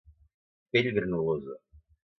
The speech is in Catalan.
Pell granulosa.